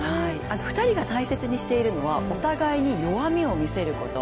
２人が大切にしているのは、お互いに弱みを見せること。